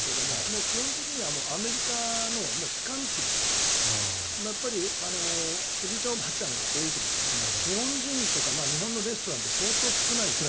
基本的にはアメリカの避寒地ですからおじいちゃん、おばあちゃんが多いところで日本人とか日本食レストラン相当少ないよ。